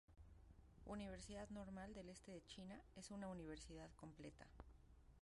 Universidad Normal del Este de China es una universidad completa.